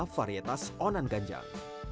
kopi arabica varietas onan ganjang